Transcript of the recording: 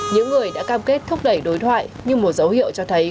những người đã cam kết thúc đẩy đối thoại nhưng một dấu hiệu cho thấy